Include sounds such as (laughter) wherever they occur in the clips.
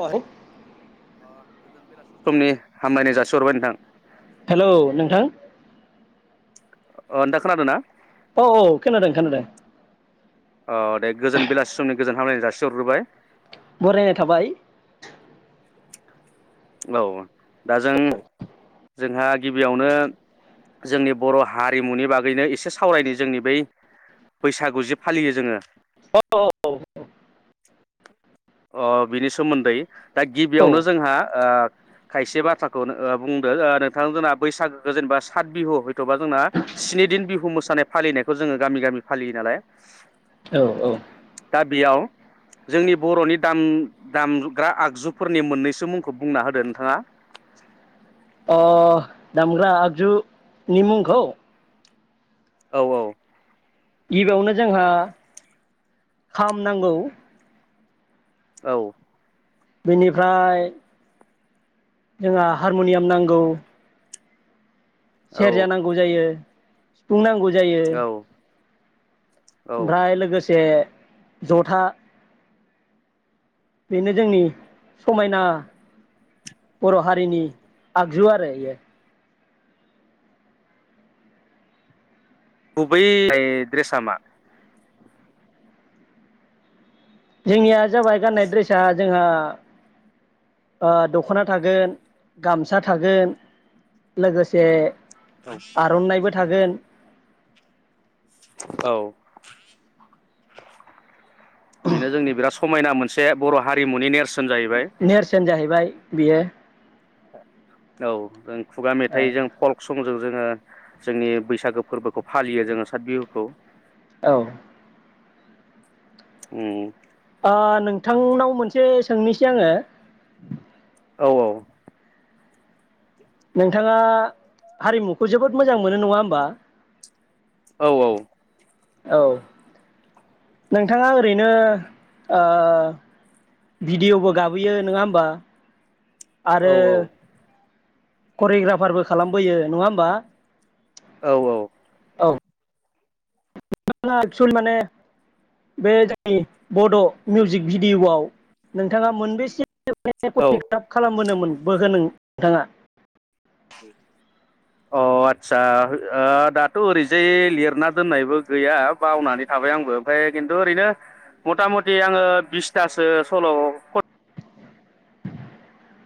अ ओ गोजोन बेलासे। समनि हामलायनाय जासिहरबाय नोंथां। हेलौ नोंथां अ नोंथाङा खोनादों ना? औ औ खोनादों खोनादों। अ दे गोजोन बेलासि समनि गोजोन हामलायनाय जासिहरग्रोबाय। बरायनाय थाबाय। औ दा जों जोंहा गिबियावनो जोंनि बर' हारिमुनि बागैनो एसे सावरायनो जोंनि बै बैसागु जे फालियो जोङो औ औ औ। अ बिनि सोमोन्दै दा औ गिबियावनो जोंहा ओ खायसे बाथ्राखौ नो ओ बुंदों ओ नोंथाङाबो जोंना बैसागोखौ जेनेबा सात बिहु हयथ'बा जोंना स्नि दिन बिहु मोसानाय फालिनायखौ जोङो गामि गामि फालियो नालाय। औ औ। दा बेयाव जोंनि बर'नि दाम दामग्रा आगजुफोरनि मोननैसो मुं खौ बुंना होदो नोंथाङा। अ दामग्रा आगजु निमुंखौ? औ औ। गिबियावनो जोंहा खाम नांगौ। औ। बेनिफ्राय जोंहा हारमुनियाम नांगौ। औ सेरजा नांगौ जायो। सिफुं नांगौ। जायो। औ औ ओमफ्राय लोगोसे जथा बेनो जोंनि समायना बर'हारिनि आगजु आरो इयो। गुबै ऐ द्रेसा मा जोंनिया जाबाय गाननाय द्रेसा जोंहा ओ दखना थागोन गामसा थागोन लोगोसे औ आर'नाइबो थागोन। औ बेनो जोंनि बिराद समायना मोनसे बर'हारिमुनि नेर नेरसोन जाहै बाय बियो औ ओं खुगा मेथाइजों फल्क संजों जोंङो जोंनि बैसागो फोरबोखौ फालियो जोंङो साथ बिहुखौ औ अम ओ नोंथांनाव मोनसे सोंनिसै आंङो औ औ नोंथाङा हारिमुखौ जोबोद मोजां मोनो नंङा होमबा। औ औ औ नोंथांङा ओरैनो भिडियबो गाबोयो नंङा होमबा आरो औ करियग्राफारबो खालामबोयो नंङा होमबा औ औ नोंथांङा एक्सुेले माने बे जोंनि बड'मिउजिक भिडियआव नोंथांङा मोनबेसे औ औ (unintelligible) खालामबोनोमोन बोगोखो नों। नोंथांङा अ आतसा दाथ' ओरैजाय लिरना दोननायबो गैया बावनानै थाबाय आंबो ओमफ्राय खिन्थु ओरैनो मथा मथि आंङो बिसथासो सल' खन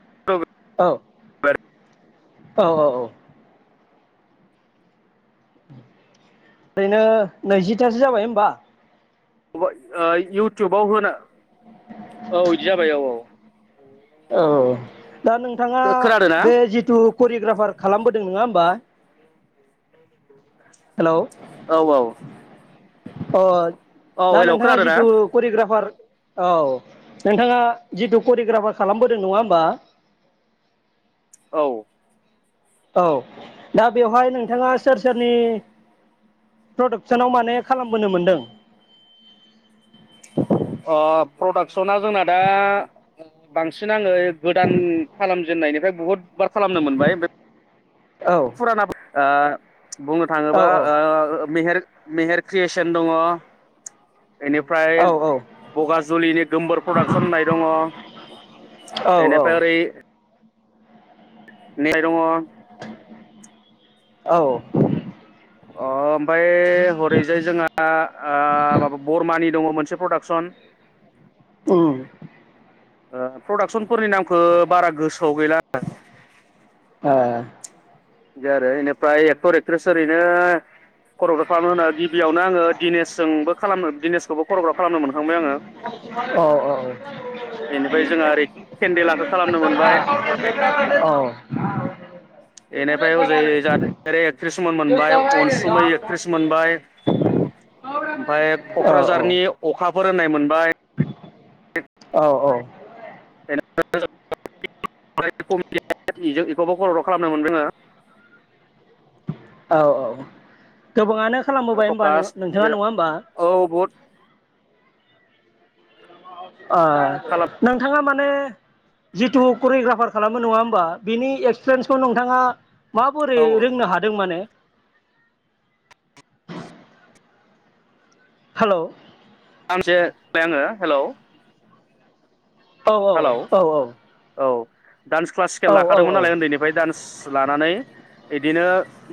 (unintelligible) औ औ औ औ ओरैनो नैजिथासो जाबाय होमबा। इउटउबाव होनो औ इदि जाबाय औ औ औ दा नोंथांङा खोनादों ना बे जिथु करियग्राफार खालामबोदों नंङा होमबा हेलौ औ औ अ औ दा हेल' नोंथांङा खोनादों ना जिथु करियग्राफार औ नोंथांङा जिथु करियग्राफार खालामबोदों नंङा होमबा औ औ दा बेवहाय नोंथांङा सोर सोरनि प्रडाक्सनाव माने खालामबोनो मोनदों। अ प्रडाक्सना जोंना दा ओ बांसिन आङो गोदान खालामजेननायनिफ्राय बहुद बार खालामनो मोनबाय औ (unintelligible) फुरानाब आ बुंनो औ थाङोबा ओ मेहेर मेहेर क्रियेसन दङ इनिफ्राय- औ बगाजुलिनि गोमबोर प्रडाक्सन होननाय दङ औ इनिफ्राय ओरै (unintelligible) औ अ ओमफाय बे हरैजाय जोंहा आ बरमानि दङ मोनसे प्रडाक्सन उम ओ प्रडाकसन- फोरनि नामखो बारा गोसोआव गैला। ओ आरो इनिफ्राय एक्टर एक्ट्रेस ओरैनो खौरां खालामनो होना बि बेयावनो आङो दिनेशजोंबो खालामनो दिनेसखौबो खरग्राफ खालामनो मो अ बेनिफ्राय जोंहा ओरै अ केन्देलाखौ खालामनो मोनबाय अ औ इनिफ्राय अजै जेर एक्ट्रिस मोनबाय अनसुमै एक्ट्रिस मोनबाय ओमफ्राय कक्राझारनि अखा फोरोंनाय मोनबाय औ औ (unintelligible) इखौबो खरग्राफ खालामनो मोनदोंङो औ औ गो गोबाङानो आङो खालामबोबाय होमबा नो प्रकास नोंथाङा नङा होमबा? औ बहुद (inaudible) ओ खालाम नोंथाङा मा माने जिथु करियग्राफार खालामो नङा होमबा बिनि एक्सपिरियेन्सखौ नोंथाङा माबोरै रोंनो हादों माने? हेलौ सामसे (unintelligible) आङो हेलौ औ औ हेलौ औ औ औ डान्स क्लासिकेल औ औ लाखादोंमोन नालाय उन्दैनिफ्राय डान्स लानानै इदिनो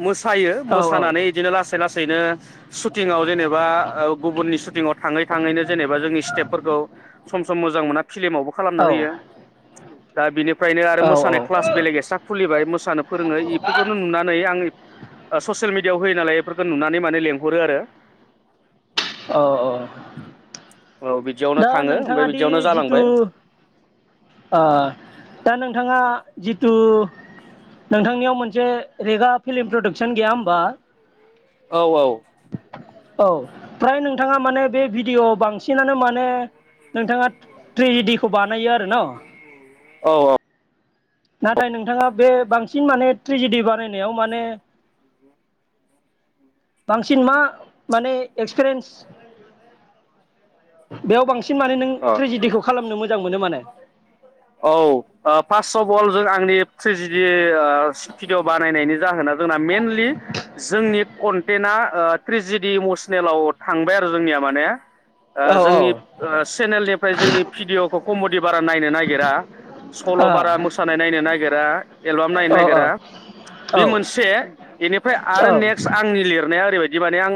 मोसायो औ मोसानानै इदिनो लासै लास सैनो ससुटिंआव जेनेबा गुबुननि सशुटिंआव थाङै थाङैनो जेनेबा जोंनि स्टेपफोरखौ सम मोजां मोना फिल्मावबो खालामनो औ होयो दा बिनि ओमफ्रायनो आरो मोसानाय क्लास बेलेग एसा खुलिबाय मोसानो फोरोङो बेफोरखौनो नुनानै आं ससियेल मिडियाआव होयो नालाय बेफोरखौ नुनानै माने लेंहरो आरो औ औ औ बिदियावनो दा थाङो ओमफ्राय नोंथाङा दि बिदियावनो जिथु जालांबाय दा नोंथाङा जिथु नोंथांनियाव मोनसे रेगा फिल्म प्रडाक्सन गैया होमबा? औ औ फ्राय नोंथाङा माने बे भिडिय बांसिनानो माने माने नोंथाङा ट्रेजिडिखौ बानायो आरो ना औ औ नाथाय नोंथाङा बे बांसिन माने ट्रेजिडि बानायनायाव माने बांसिन मा माने एक्सपिरियेन्स (inaudible) बेयाव बांसिन बांसिन माने नों औ ट्रेजेडिखौ खालामनो मो मोजां मोनो माने औ फास बल आंनि ट्रेजिडि भिडिअ बानायनायनि जाहोना जोंना मेनलि जोंनि कन्टेन्टआ ओ ट्रिजिडि इमसनेलाव थांबाय आरो जोंनिया माने औ जोंनि ओ चेनेलनिफ्राय जोंनि भिडिअखौ कमडि बारा नायनो नागि दा सल ओ औ बारा मोसानाय नायनो नागिरा एलबाम नायनो औ नागिरा बे औ मोनसे इनिफ्राय औ आरो नेक्स्ट आंनि लिरनाया ओरैबायदि बि माने आं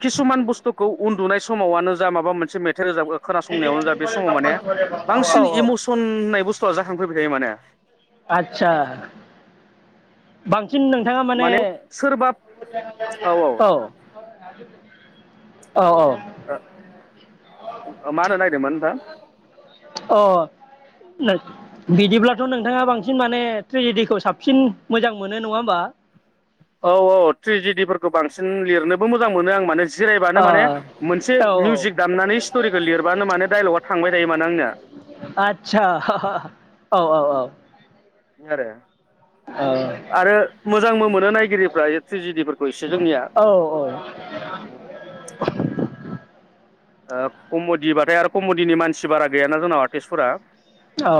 किसुमान बुस्थुखौ उन्दुनाय समाववानो जा माबा मोनसे मे मेथाइ रोजाबग्रा खोनासंनायावनो जा बे समाव माने बांसिन औ इमुस बुस्थुआ जाखांफैबाय थायो माने आतसा बां सिन नोंथाङा माने औ औ औ ओ मा होननो नायदोंमोन नोंथाङा अ बिदिब्लाथ नोंथाङा बांसिन माने ट्रेजिडिखौ साबसिन मोजां मोनो नङा होमबा औ औ ट्रेजिडिफोरखौ बांसिन लिरनोबो मोजां मोनो आं माने ओ जिरायबानो माने मोनसे औ औ मिउजिक दामनानै स्टरिखौ लिरबानो माने डाइलगा थांबाय थायो माने आंना आदसा औ औ औ आरो आरो मोजांबो मोनो नायगिरिफ्रा ट्रेजिडिफोरखौ इसे जोंनिया औ ओ कमडिबाथाय आरो कमडिनि मानसि बारा गैयाना जोंननाव आर्टिस्टफोरा। अ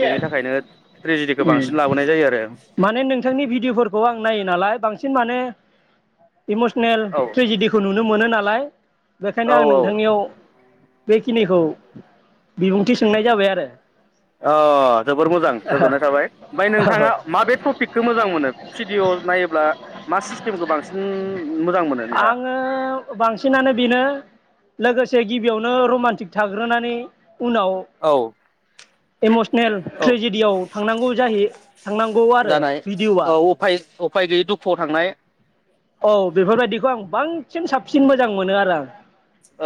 बेनि थाखायनो ट्रेजेडिखौ उम बांसिन लाबोनाय जायो आरो माने नोंथांनि भिडिअ'फोरखौ आं नायो नालाय बांसिन माने इमसनेल ट्रेजिडिखौ नुनो मोनो नालाय लाय औ बेखायनो आं औ नोंथांनियाव बेखिनिखौ बिबुंथि सोंनाय जाबाय आरो। ओ जोबोर मोजां गोजोननाय थाबाय, ओमफाय औ नोंथाङा माबे टपिकखौ मोजां मोनो भिडिअ' नायोब्ला मा सिस्टेमखौ बांसिन मोजां मोनो नोंथाङा आङो बांसिनानो बेनो लोगोसे गिबियावनो रमान्टिक थाग्रोनानै उनाव औ इमस औ थांनांगौ आरो जानाय भिडिअ'आ औ उफाय औ उफाय गैयै दुखुआव थांनाय औ बेफोरबायदिखौ आं बांसिन साबसिन मोजां मोनो आरो आं।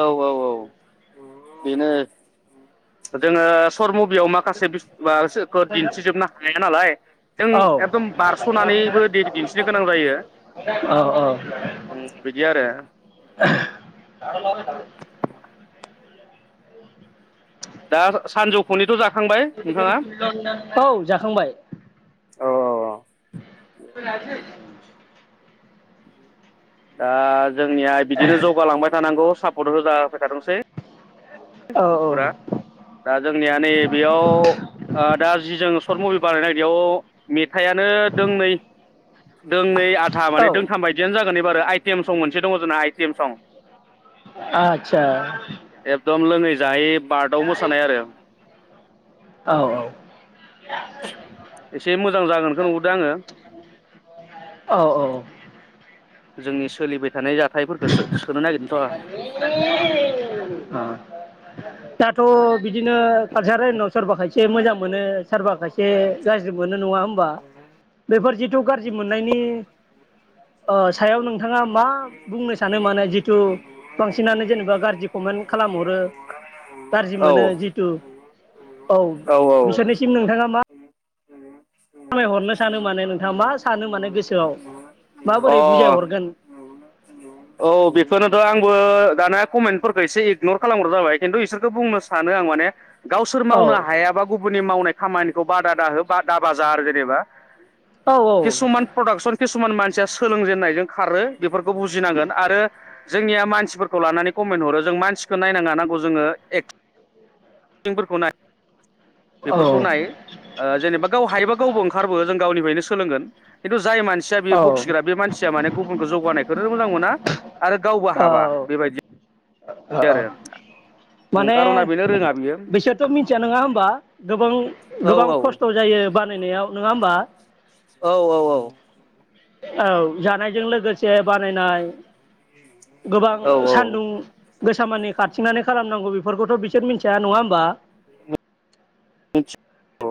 औ औ औ बेनो जोङो सरमु बियाव माखासे (unintelligible) दिन्थिजोबनो हाया नालाय जों आं एकदम बारसनानैबो दिन्थिनो गोनां जायो औ उम बिदि आरो। (inaudible) दा सानजौफुनिथ' जाख औ जाखांबाय। औ औ औ दा जोंनिया बिदिनो जौगालांबाय थानांगौ साब (unintelligible) थादोंसै औ औ इसरा दा जोंनिया नै बेयाव ओ दा जि जों सर्ट मभि बानायनायनो नागिरदों बेयाव मेथाइयानो दोंनै दोंनै आधा माने औ दोंथाम बायदियानो जागोन एब बारो आइटेम सं मोनसे दङ जोंना आइटेम सं आतसा दम लोङै जायै बार्टाव मोसानाय आरो औ एसे मोजां जागोनखौ नुहुरदो आङो। औ औ जोंनि सोलिबाय थानाय जाथाइफोरखौ सो-सोनो नागिरदोंथ' अ (unintelligible) बिदिनो कालसार लाइनाव सोरबा खायसे मोजां मोनो सोरबा खायसे गाज्रि मोनो नङा होम बा बेफोर जिथु गाज्रि मोननायनि ओ सायाव नोंथाङा मा बुंनो सानो माने जिथु बांसिनानो जेनेबा गाज्रि कमेन्ट खालामहरो गाज्रि आं औ मोनो जिथु औ औ औ बिसोरनिसिम नोंथाङा मा (inaudible) खामायहरनो सानो माने नोंथाङा मा सानो माने गोसोआव माबोरै अ बुजाय हरगोन? औ बेखौनोथ' आंबो दाना कमेन्टफोरखौ एसे इगनर खालामग्र जाबाय खिन्थु इसोरखो बुंनो सानो आं माने गावसोर औ मावनो हायाबा गुबुननि मावनाय खामानिखौ बादा दाहो बा दाबाजा आरो जेनेबा औ किसुमान प्रडाकसन किसु सुमान मानसिया सोलोंजेननायजों खारो बेफोरखौ बुज जिनांगोन आरो जोंनिया मानसिफोरखौ लानानै कमेन्ट हरो जों मानसिखौ नायनाङा नांगौ जोङो एगथिंफोरखौ नाय औ बेफोरखौ नाय जेनेबा गाव हायोबा गावबो ओंखारबो जों गावनिफ्रायनो सोलोंगोन खानथु जाय मानसिया बेयो बखिग्रा बे औ मानसिया माने गुबुनखौ जौगानाय औ बेबायदि ओ ओ आरो उम माने खार'ना बेनो रोङा बियो बिसोरथ' मिथिया नङा होमबा गोबां औ गोबां खस्थ' जायो बानायनायाव नङा होमबा? औ औ औ औ जानायजों लोगोसे बानायनाय गोबां सान्दुं गोसा‌ मानि खारथिंनानै खालामनांगौ बेफोरखौथ' बिसोर मिन्थिया नङा होमबा?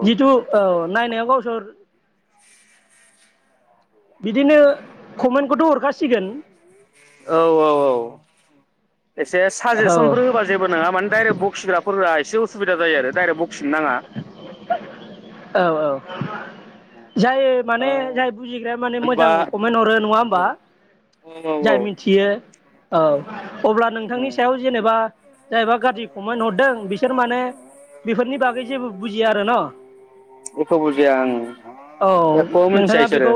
जिथु औ नायनाया गावसोर बिदिनो औ कमेन्टखौथ' हरखासिगोन औ औ एसे औ साजेसनफोर होबा जेबो नङा माने दडाइरेक्ट बखिग्राफोरा सुबिदा जायो आरो डायरेक्ट बखिनो नाङा (unintelligible) जाय माने ओ जाय बुजिग्राया माने होनबा मोजां कमेन्ट हरो नङा होमबा औ औ औ औ जाय मिथियो औ अब्ला नोंथांनि सायाव जेनेबा जायबा गाज्रि कमेन्ट हरदों बिसोर माने बेफोरनि बागै जेबो बुजिया आरो न एख' बुजिया आं औ एख' मिथिया नोंथाङा इसोरो बेखौ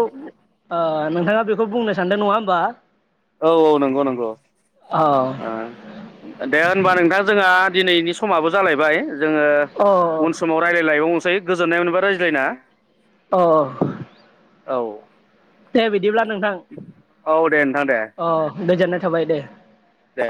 नोंथाङा बेखौ बुंनो सानदों नङा होमबा? औ औ नंगौ नंगौ औ दे होनबा नोंथां जोंहा दिनैनि समाबो जालायबाय जोङो अ उन समाव रायलायलायबावनोन समाव दायो जोननाय मोनबााय रायज्लायना अ औ दे बिदिब्ला नोंथां औ दे नोंथां दे अ गोजोननाय थाबाय दे। दे।